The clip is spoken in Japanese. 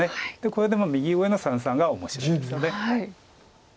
これで右上の三々が面白いですよね。